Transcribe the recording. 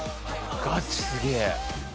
ガチすげえ。